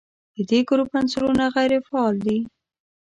د دې ګروپ عنصرونه غیر فعال دي.